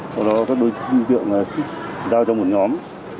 sau đó các đối tượng giao cho một nhóm